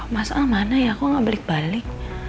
masalah mana ya kok gak balik balik